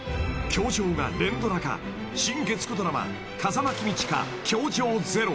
［『教場』が連ドラ化新月９ドラマ『風間公親教場０』］